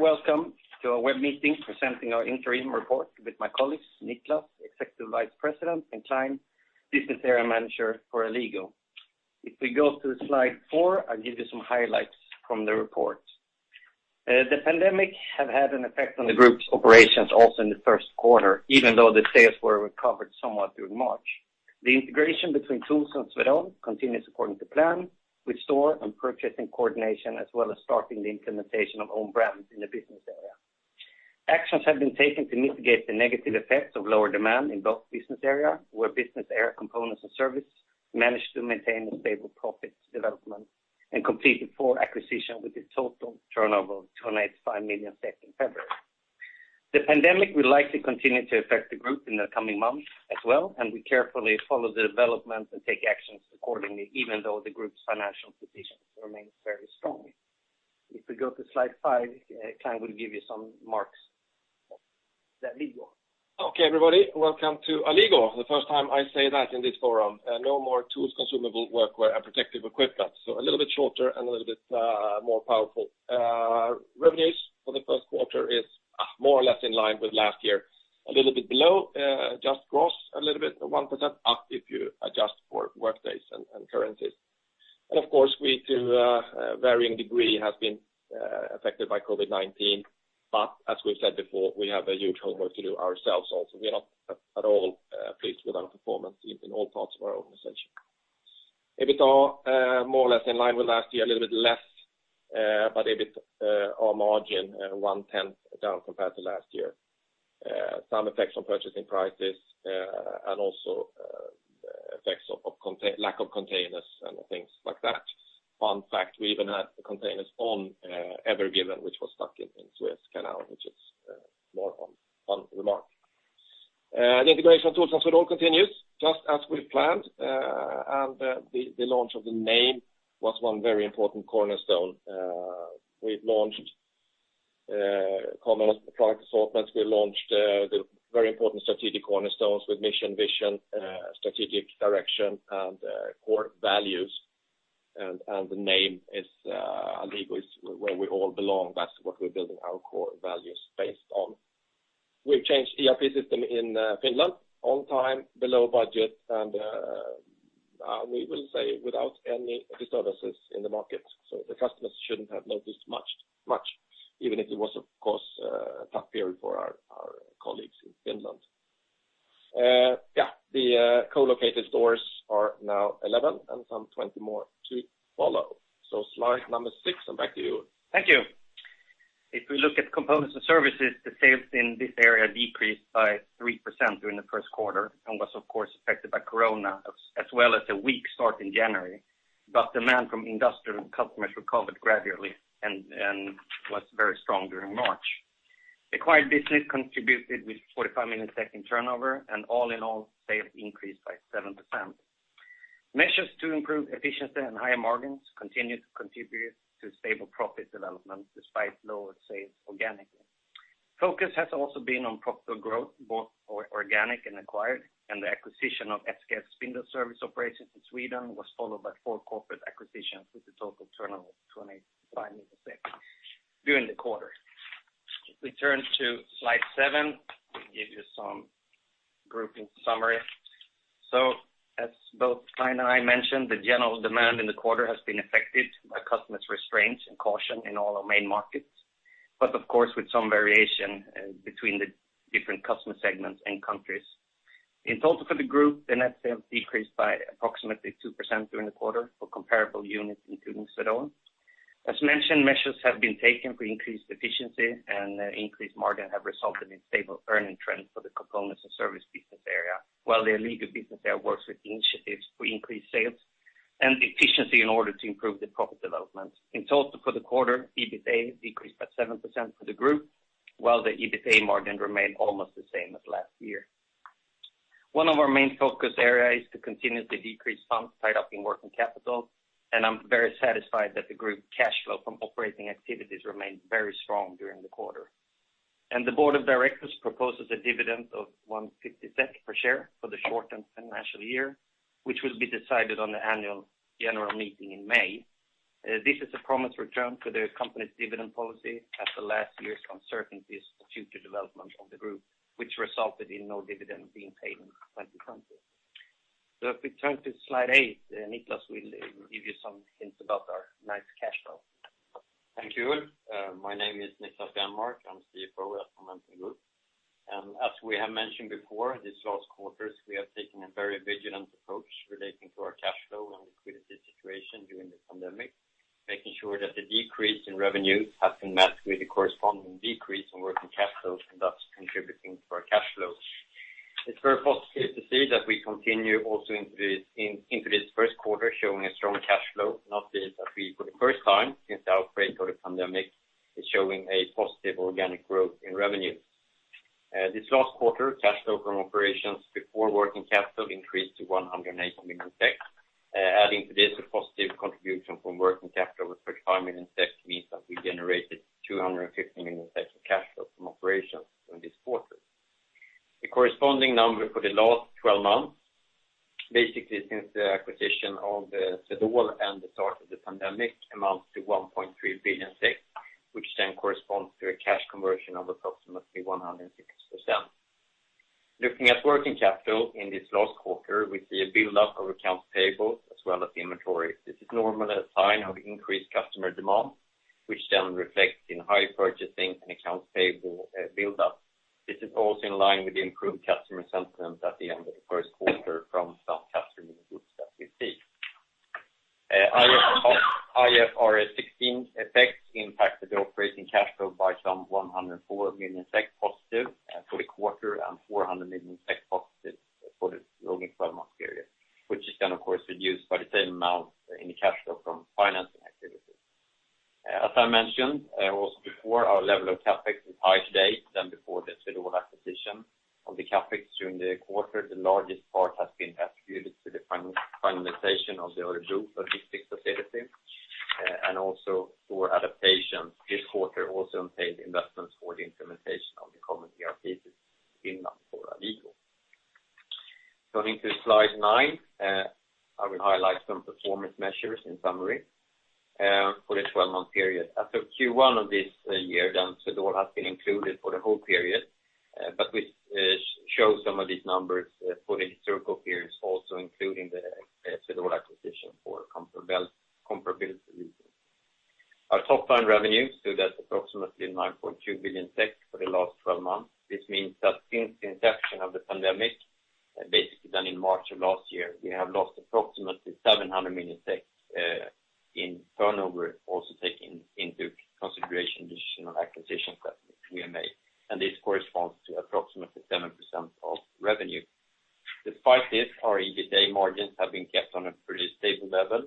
Very welcome to our web meeting presenting our interim report with my colleagues, Niklas Enmark, Executive Vice President, and Clein Johansson Ullenvik, Business Area Manager for Alligo. If we go to slide four, I'll give you some highlights from the report. The pandemic have had an effect on the group's operations also in the first quarter, even though the sales were recovered somewhat during March. The integration between Swedol and TOOLS continues according to plan, with store and purchasing coordination, as well as starting the implementation of own brands in the business area. Actions have been taken to mitigate the negative effects of lower demand in both business area, where Business Area Components & Services managed to maintain a stable profit development and complete the four acquisition with a total turnover of 285 million in February. The pandemic will likely continue to affect the group in the coming months as well, and we carefully follow the development and take actions accordingly, even though the group's financial position remains fairly strong. If we go to slide five, Clein will give you some more for the Alligo. Okay, everybody, welcome to Alligo. The first time I say that in this forum, no more Tools, Consumables, Workwear & Protective Equipment, so a little bit shorter and a little bit more powerful. Revenues for the first quarter is more or less in line with last year. A little bit below, just growth, a little bit 1% up if you adjust for workdays and currencies. And of course, we, to varying degree, have been affected by COVID-19, but as we've said before, we have a huge homework to do ourselves also. We are not at all pleased with our performance in all parts of our organization. EBITA more or less in line with last year, a little bit less, but a bit our margin one tenth down compared to last year. Some effects on purchasing prices, and also, effects of lack of containers and things like that. Fun fact, we even had the containers on Ever Given, which was stuck in Suez Canal, which is more fun, fun remark. The integration of Swedol and TOOLS continues, just as we planned, and the launch of the name was one very important cornerstone. We've launched common product assortments. We launched the very important strategic cornerstones with mission, vision, strategic direction, and core values. And the name is Alligo is where we all belong. That's what we're building our core values based on. We've changed the ERP system in Finland on time, below budget, and we will say, without any disturbances in the market. So the customers shouldn't have noticed much, much, even if it was, of course, a tough period for our, our colleagues in Finland. Yeah, the co-located stores are now 11, and some 20 more to follow. So slide number six, and back to you. Thank you. If we look at components and services, the sales in this area decreased by 3% during the first quarter, and was, of course, affected by Corona, as well as a weak start in January. But demand from industrial customers recovered gradually and was very strong during March. The acquired business contributed with 45 million in turnover, and all in all, sales increased by 7%. Measures to improve efficiency and higher margins continue to contribute to stable profit development despite lower sales organically. Focus has also been on profitable growth, both organic and acquired, and the acquisition of SKF's spindle service operations in Sweden was followed by four corporate acquisitions, with a total turnover of 25 million during the quarter. If we turn to slide seven, we give you some grouping summary. As both Clein and I mentioned, the general demand in the quarter has been affected by customers' restraints and caution in all our main markets, but of course, with some variation between the different customer segments and countries. In total for the group, the net sales decreased by approximately 2% during the quarter for comparable units, including Swedol. As mentioned, measures have been taken for increased efficiency, and increased margin have resulted in stable earning trends for the components and service business area, while the Alligo business area works with initiatives for increased sales and efficiency in order to improve the profit development. In total, for the quarter, EBITDA decreased by 7% for the group, while the EBITDA margin remained almost the same as last year. One of our main focus area is to continuously decrease funds tied up in working capital, and I'm very satisfied that the group cash flow from operating activities remained very strong during the quarter. The board of directors proposes a dividend of 1.50 per share for the shortened financial year, which will be decided on the annual general meeting in May. This is a promised return for the company's dividend policy after last year's uncertainties for future development of the group, which resulted in no dividend being paid in 2020. So if we turn to slide eight, Niklas will give you some hints about our nice cash flow. Thank you, Ulf. My name is Niklas Enmark. I'm CFO at Alligo Group. As we have mentioned before, these last quarters, we have taken a very vigilant approach relating to our cash flow and liquidity situation during the pandemic, making sure that the decrease in revenue has been met with a corresponding decrease in working cash flow and thus contributing to our cash flow. It's very positive to see that we continue also into this first quarter, showing a strong cash flow, and also that we, for the first time since the outbreak of the pandemic, is showing a positive organic growth in revenue. This last quarter, cash flow from operations before working capital increased to 180 million. Adding to this, a positive contribution from working capital with 35 million means that we generated 250 million of cash flow from operations during this quarter. The corresponding number for the last 12 months, basically since the acquisition of the Swedol and the start of the pandemic, amounts to 1.3 billion, which then corresponds to a cash conversion of approximately 160%. Looking at working capital in this last quarter, we see a build-up of accounts payable as well as inventory. This is normally a sign of increased customer demand, which then reflects in high purchasing and accounts payable build-up. This is also in line with the improved customer sentiment at the end of the first quarter from some customer groups that we see. IFRS 16 effects impacted the operating cash flow by some 104 million positive, for the quarter, and 400 million positive for the rolling 12-month period, which is then, of course, reduced by the same amount in the cash flow from financing activities. As I mentioned also before, our level of CapEx is higher today than before the Swedol acquisition. Of the CapEx during the quarter, the largest part has been attributed to the finalization of the Örebro logistics facility, and also for adaptation. This quarter also unpaid investments for the implementation of the common ERP system in Finland for Alligo. Going to slide nine, I will highlight some performance measures in summary, for the 12-month period. After Q1 of this year, then Swedol has been included for the whole period, but we show some of these numbers for the historical periods, also including the Swedol acquisition for comparability reasons. Our top line revenue stood at approximately 9.2 billion for the last 12 months. This means that since the inception of the pandemic, basically then in March of last year, we have lost approximately 700 million in turnover, also taking into consideration additional acquisitions that we have made, and this corresponds to approximately 7% of revenue. Despite this, our EBITA margins have been kept on a pretty stable level,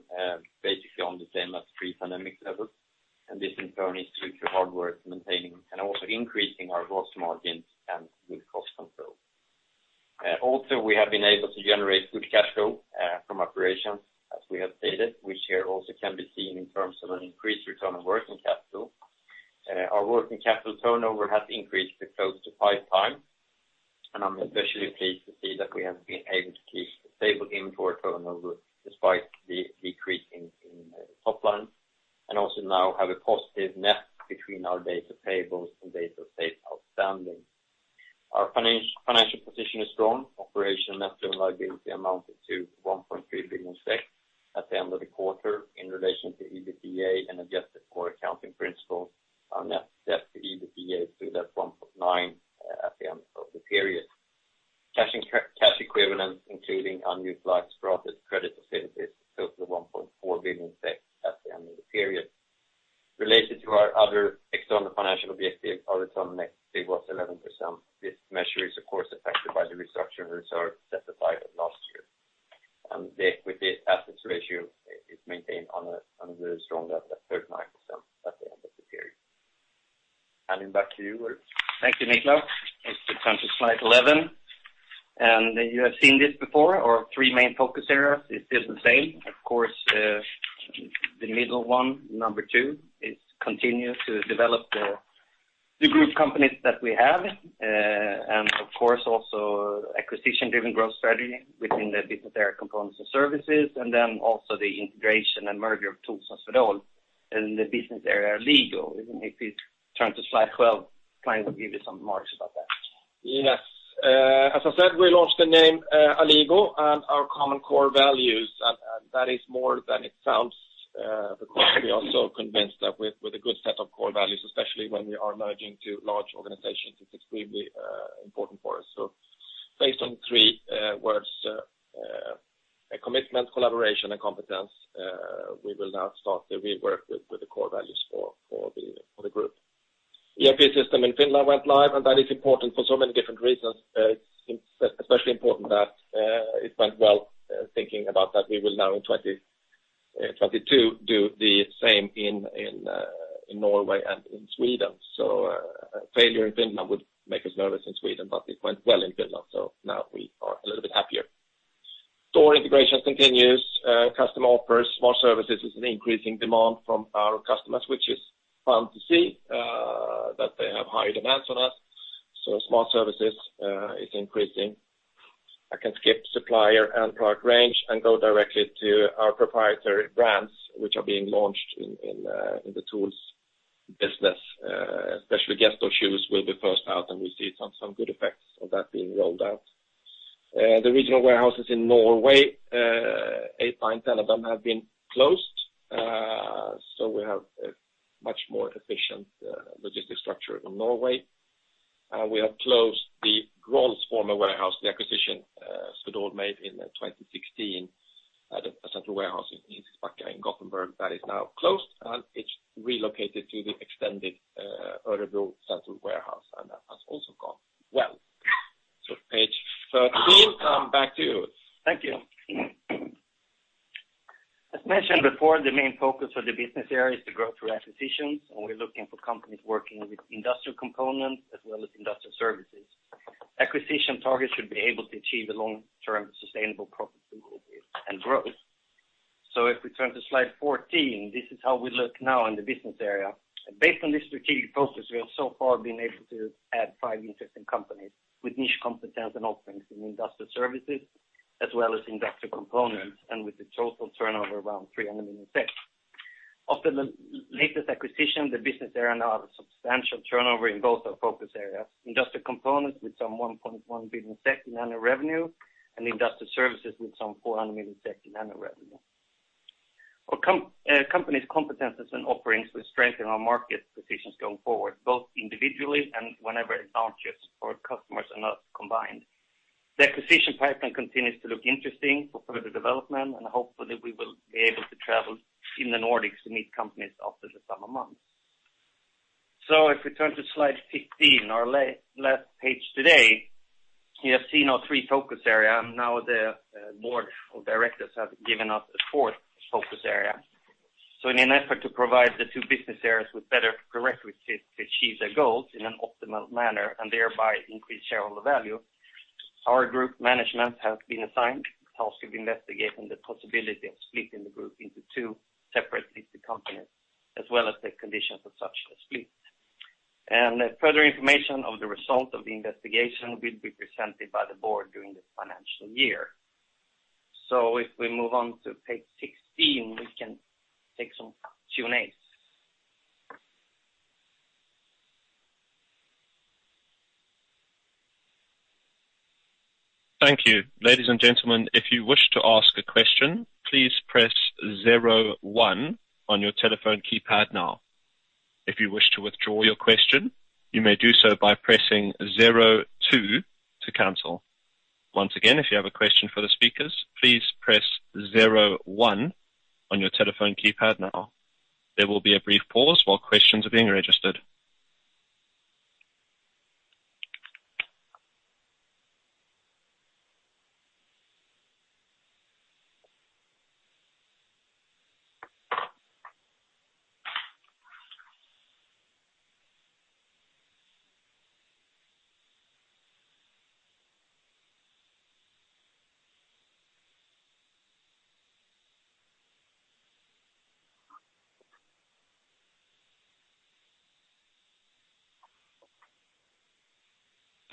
basically on the same as pre-pandemic level, and this in turn is due to hard work maintaining and also increasing our gross margins and with cost control. Also, we have been able to generate good cash flow from operations, as we have stated, which here also can be seen in terms of an increased return on working capital. Our working capital turnover has increased to close to 5 times, and I'm especially pleased to see that we have been able to keep a stable inventory turnover despite the decreasing in the top line, and also now have a positive net between our days of payables and days of sales outstanding. Our financial position is strong. Operational net liability amounted to 1.3 billion SEK at the end of the quarter in relation to EBITDA and adjusted for accounting principles. Our net debt to EBITDA stood at 1.9 at the end of the period. Cash and cash equivalents, including unused lines of credit facilities, total 1.4 billion at the end of the period. Related to our other external financial objectives, our return on equity was 11%. This measure is, of course, affected by the restructuring reserve set aside last year. With the assets ratio, it's maintained on a very strong level at 13% at the end of the period. Handing back to you, Ulf. Thank you, Niklas. Let's turn to slide 11, and you have seen this before, our three main focus areas. It's still the same. Of course, the middle one, number two, is continue to develop the group companies that we have, and of course, also acquisition-driven growth strategy within the business area components and services, and then also the integration and merger of TOOLS and Swedol in the business area, Alligo. If you turn to slide 12, Clein will give you some more about that. Yes. As I said, we launched the name Alligo and our common core values, and that is more than it sounds. Because we are so convinced that with a good set of core values, especially when we are merging two large organizations, it's extremely important for us. So based on three words, commitment, collaboration, and competence, we will now start the real work with the core values for the group. The ERP system in Finland went live, and that is important for so many different reasons. It's especially important that it went well, thinking about that we will now in 2022 do the same in Norway and in Sweden. So, failure in Finland would make us nervous in Sweden, but it went well in Finland, so now we are a little bit happier. Store integration continues, customer offers, smart services is an increasing demand from our customers, which is fun to see, that they have high demands on us. So smart services is increasing. I can skip supplier and product range and go directly to our proprietary brands, which are being launched in the TOOLS business, especially Gesto shoes will be first out, and we see some good effects of that being rolled out. The regional warehouses in Norway, ten and 10 of them have been closed. So we have a much more efficient logistic structure in Norway. We have closed the Grolls former warehouse, the acquisition Swedol made in 2016 at a central warehouse in Gothenburg. That is now closed, and it's relocated to the extended Örebro central warehouse, and that has also gone well. So page thirteen, back to you, Ulf. Thank you. As mentioned before, the main focus of the business area is to grow through acquisitions, and we're looking for companies working with industrial components as well as industrial services. Acquisition targets should be able to achieve a long-term sustainable profitability and growth. So if we turn to slide 14, this is how we look now in the business area. And based on this strategic process, we have so far been able to add five interesting companies with niche competence and offerings in industrial services, as well as industrial components, and with a total turnover around 300 million. After the latest acquisition, the business area now have a substantial turnover in both our focus areas. Industrial components with some 1.1 billion in annual revenue, and industrial services with some 400 million in annual revenue. Our company's competences and offerings will strengthen our market positions going forward, both individually and whenever advantages for customers are not combined. The acquisition pipeline continues to look interesting for further development, and hopefully we will be able to travel in the Nordics to meet companies after the summer months. So if we turn to slide 15, our last page today, you have seen our three focus area, and now the board of directors have given us a fourth focus area. So in an effort to provide the two business areas with better direct way to achieve their goals in an optimal manner, and thereby increase shareholder value, our group management has been assigned the task of investigating the possibility of splitting the group into two separate listed companies, as well as the conditions of such a split. Further information of the result of the investigation will be presented by the board during this financial year. If we move on to page 16, we can take some Q and A. Thank you. Ladies and gentlemen, if you wish to ask a question, please press zero one on your telephone keypad now. If you wish to withdraw your question, you may do so by pressing zero two to cancel. Once again, if you have a question for the speakers, please press zero one on your telephone keypad now. There will be a brief pause while questions are being registered.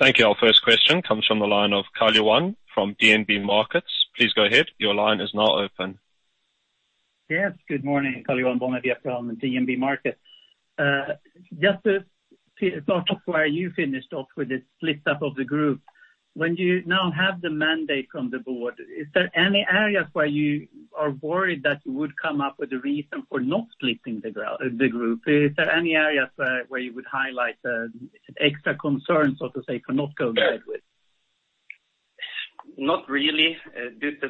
Thank you. Our first question comes from the line of Kaloyan from DNB Markets. Please go ahead. Your line is now open. Yes, good morning, Kaloyan Bonev from DNB Markets. Just to follow up where you finished off with the split up of the group, when you now have the mandate from the board, is there any areas where you are worried that you would come up with a reason for not splitting the group? Is there any areas where you would highlight extra concern, so to say, for not going ahead with? Not really. Due to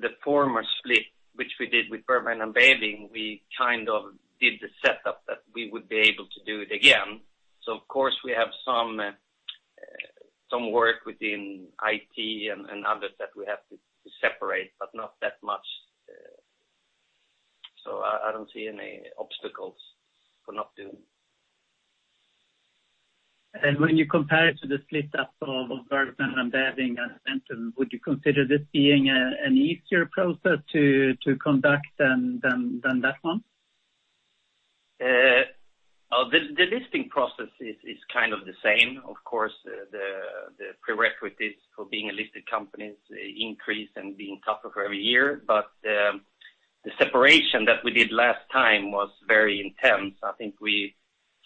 the former split, which we did with Bergman & Beving, we kind of did the setup that we would be able to do it again. So of course, we have some work within IT and others that we have to separate, but not that much. So I don't see any obstacles for not doing. And when you compare it to the split up of Bergman & Beving and Addtech, would you consider this being a, an easier process to conduct than that one? The listing process is kind of the same. Of course, the prerequisites for being a listed company increase and being tougher every year. But the separation that we did last time was very intense. I think we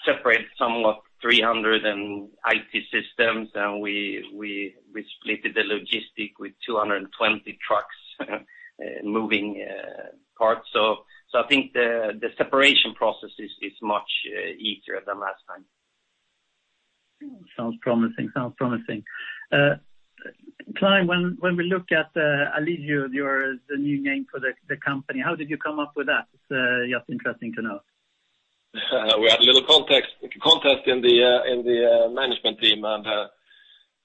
separated somewhat 300 IT systems, and we split the logistics with 220 trucks moving parts. So I think the separation process is much easier than last time. Sounds promising. Sounds promising. Clein, when we look at Alligo, your, the new name for the company, how did you come up with that? It's just interesting to know. We had a little contest in the management team, and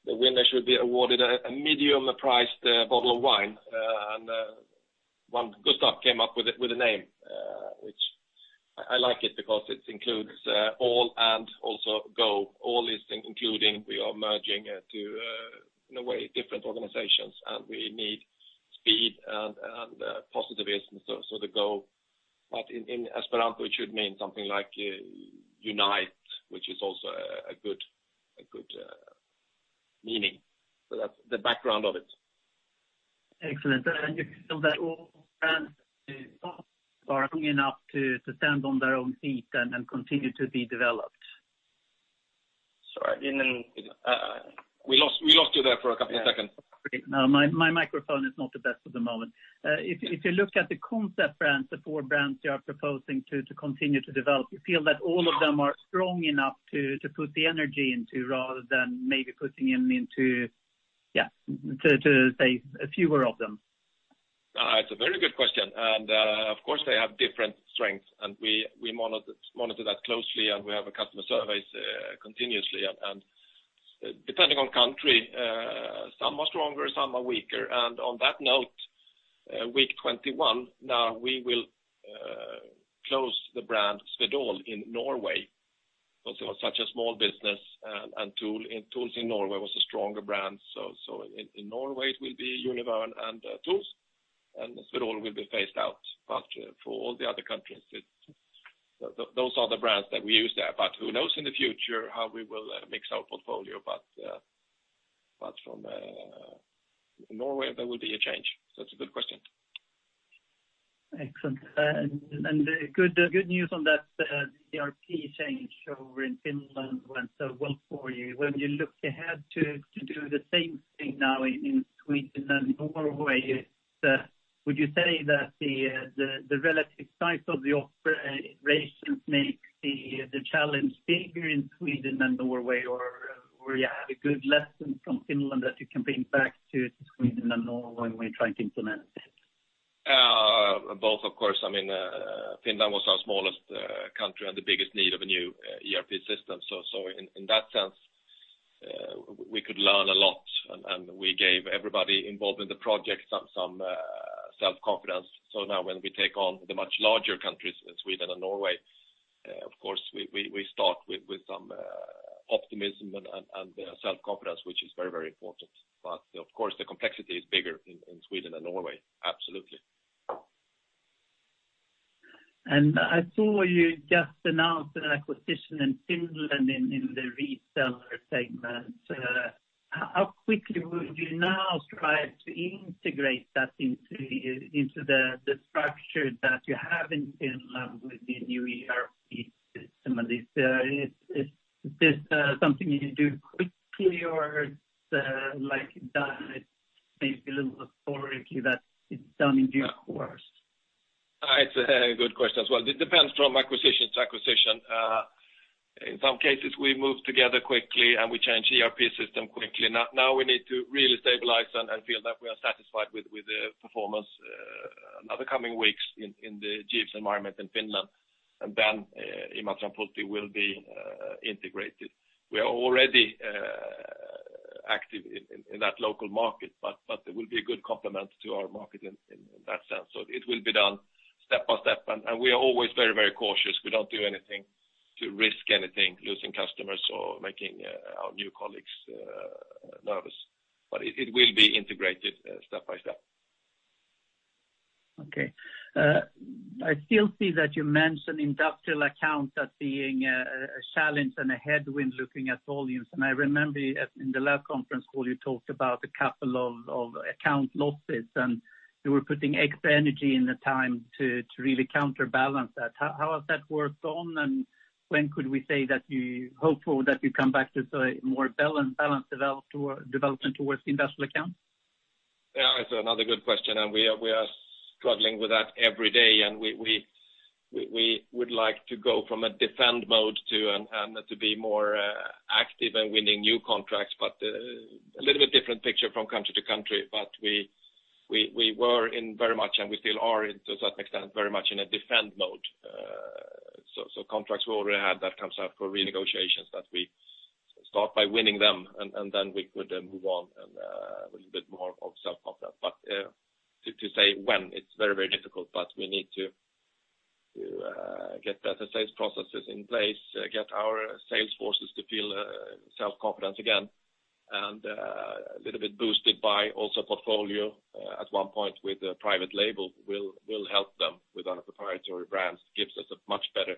the winner should be awarded a medium-priced bottle of wine. And one Gustav came up with a name, which I like it because it includes all and also go. All is including, we are merging to in a way different organizations, and we need speed and positivism, so the go. But in Esperanto, it should mean something like unite, which is also a good meaning. So that's the background of it. Excellent. And you feel that all brands are strong enough to stand on their own feet and continue to be developed? Sorry, in. We lost, we lost you there for a couple of seconds. My microphone is not the best at the moment. If you look at the concept brands, the four brands you are proposing to continue to develop, you feel that all of them are strong enough to put the energy into, rather than maybe putting them into, yeah, to say fewer of them? It's a very good question, and, of course, they have different strengths, and we monitor that closely, and we have customer surveys continuously. And, depending on country, some are stronger, some are weaker. And on that note, Week 21, now we will close the brand Swedol in Norway, because it was such a small business, and TOOLS in Norway was a stronger brand. So, in Norway, it will be Univern and TOOLS, and Swedol will be phased out. But for all the other countries, those are the brands that we use there. But who knows in the future how we will mix our portfolio? But from Norway, there will be a change. So that's a good question. Excellent. And good news on that, ERP change over in Finland went so well for you. When you look ahead to do the same thing now in Sweden and Norway, would you say that the relative size of the operations make the challenge bigger in Sweden and Norway? Or you have a good lesson from Finland that you can bring back to Sweden and Norway when we try to implement it? Both, of course. I mean, Finland was our smallest country and the biggest need of a new ERP system. So in that sense, we could learn a lot, and we gave everybody involved in the project some self-confidence. So now when we take on the much larger countries, Sweden and Norway, of course, we start with some optimism and self-confidence, which is very, very important. But of course, the complexity is bigger in Sweden and Norway, absolutely. I saw you just announced an acquisition in Finland in the reseller segment. How quickly would you now try to integrate that into the structure that you have in Finland with the new ERP system of this? Is this something you do quickly, or like done, maybe a little bit historically, that it's done in due course? It's a good question as well. It depends from acquisition to acquisition. In some cases, we move together quickly, and we change ERP system quickly. Now, now we need to really stabilize and, and feel that we are satisfied with, with the performance, another coming weeks in, in the Jeeves environment in Finland. And then, Imatran Puu will be integrated. We are already active in that local market, but it will be a good complement to our market in that sense. So it will be done step by step, and we are always very, very cautious. We don't do anything to risk anything, losing customers or making our new colleagues nervous. But it will be integrated step by step. Okay. I still see that you mentioned industrial accounts as being a challenge and a headwind looking at volumes. And I remember in the last conference call, you talked about a couple of account losses, and you were putting extra energy and the time to really counterbalance that. How has that worked out, and when could we say that you're hopeful that you come back to more balanced development towards industrial accounts? Yeah, it's another good question, and we are struggling with that every day, and we would like to go from a defend mode to, and to be more active in winning new contracts. But a little bit different picture from country to country, but we were in very much, and we still are, to a certain extent, very much in a defend mode. So contracts we already had that comes up for renegotiations, that we start by winning them, and then we could move on and a little bit more of self-confidence. But to say when, it's very, very difficult, but we need to get better sales processes in place, get our sales forces to feel self-confidence again. A little bit boosted by also portfolio, at one point with a private label will help them with our proprietary brands, gives us a much better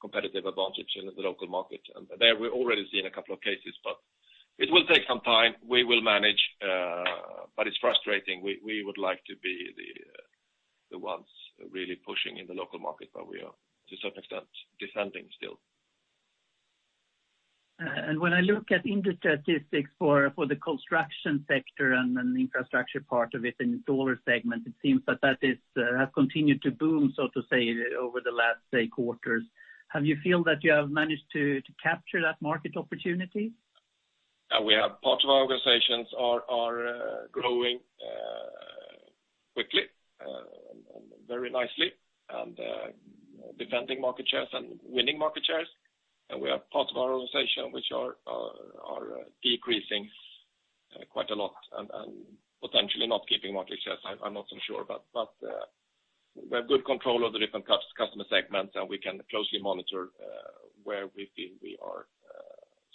competitive advantage in the local market. And there, we're already seeing a couple of cases, but it will take some time. We will manage, but it's frustrating. We would like to be the ones really pushing in the local market, but we are, to a certain extent, defending still. And when I look at industry statistics for the construction sector and then the infrastructure part of it in the reseller segment, it seems that that is have continued to boom, so to say, over the last, say, quarters. Have you feel that you have managed to capture that market opportunity? We have part of our organizations that are growing quickly and very nicely, and defending market shares and winning market shares. We have part of our organization which are decreasing quite a lot and potentially not keeping market shares. I'm not so sure, but we have good control of the different customer segments, and we can closely monitor where we feel we are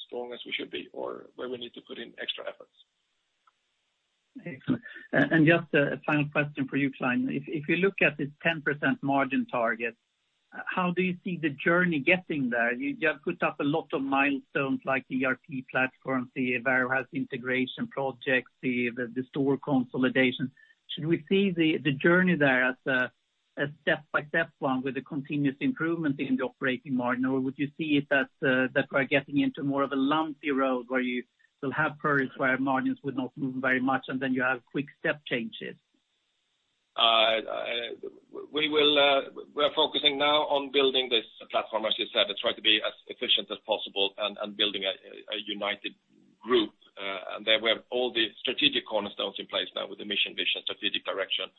strong as we should be, or where we need to put in extra efforts. Excellent. And just a final question for you, Clein. If you look at the 10% margin target, how do you see the journey getting there? You just put up a lot of milestones like ERP platform, the warehouse integration projects, the store consolidation. Should we see the journey there as a step-by-step one with a continuous improvement in the operating margin? Or would you see it as that we're getting into more of a lumpy road, where you will have periods where margins would not move very much, and then you have quick step changes? We are focusing now on building this platform, as you said, to try to be as efficient as possible and building a united group. And then we have all the strategic cornerstones in place now with the mission, vision, strategic direction,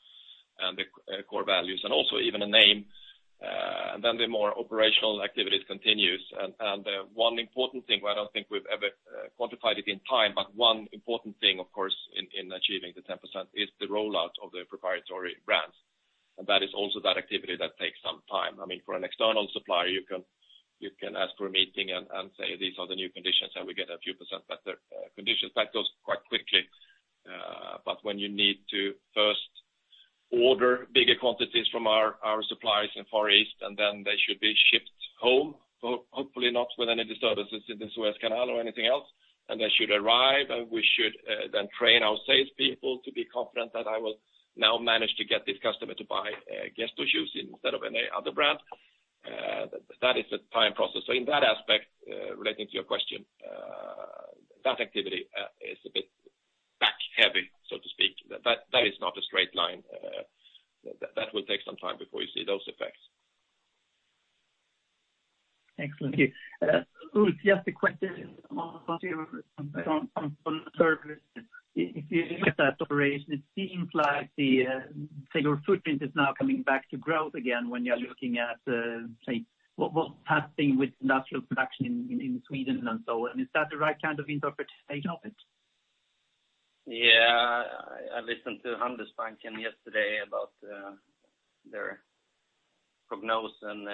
and the core values, and also even a name. And then the more operational activities continues. And one important thing, well, I don't think we've ever quantified it in time, but one important thing, of course, in achieving the 10% is the rollout of the proprietary brands. And that is also that activity that takes some time. I mean, for an external supplier, you can ask for a meeting and say, these are the new conditions, and we get a few percent better conditions. That goes quite quickly. But when you need to first order bigger quantities from our suppliers in Far East, and then they should be shipped home, hopefully not with any disturbances in the Suez Canal or anything else, and they should arrive, and we should then train our salespeople to be confident that I will now manage to get this customer to buy Gesto shoes instead of any other brand. That is a time process. So in that aspect, relating to your question, that activity is a bit back heavy, so to speak. That is not a straight line. That will take some time before you see those effects. Excellent. Thank you. Ulf, just a question on service. If you look at that operation, it seems like your footprint is now coming back to growth again when you're looking at what's happening with natural production in Sweden and so on. Is that the right kind of interpretation of it? Yeah. I listened to Handelsbanken yesterday about their prognosis, and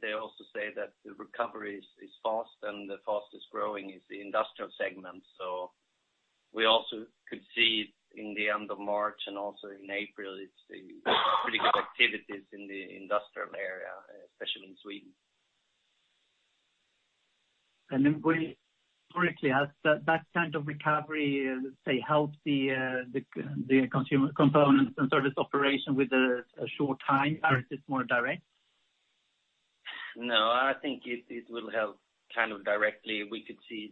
they also say that the recovery is fast, and the fastest growing is the industrial segment. So we also could see in the end of March and also in April, it's pretty good activities in the industrial area, especially in Sweden. And then we correctly, as that kind of recovery, say, helps the consumer components and service operation with a short time, or is this more direct? No, I think it will help kind of directly. We could see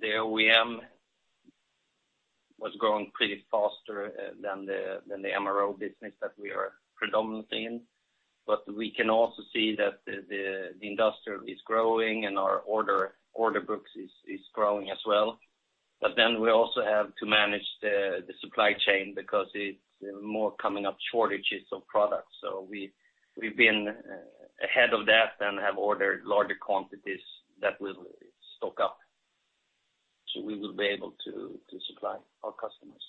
the OEM was growing pretty faster than the MRO business that we are predominantly in. But we can also see that the industrial is growing and our order books is growing as well. But then we also have to manage the supply chain because it's more coming up shortages of products. So we've been ahead of that and have ordered larger quantities that will stock up, so we will be able to supply our customers.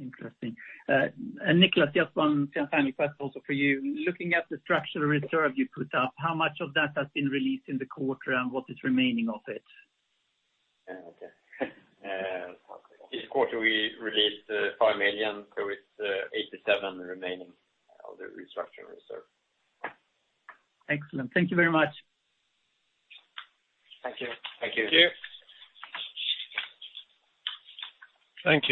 Interesting. Niklas, just one final question also for you. Looking at the structural reserve you put up, how much of that has been released in the quarter, and what is remaining of it? Okay. This quarter, we released 5 million, so it's 87 million remaining of the structural reserve. Excellent. Thank you very much. Thank you. Thank you. Thank you.